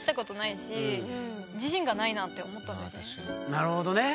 なるほどね。